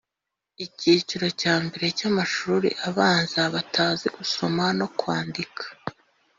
ikiciro cya mbere cy’amashuri abanza batazi gusoma no kwandika.